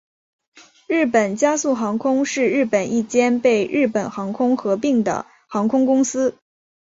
日本佳速航空是日本一间被日本航空合并的航空公司。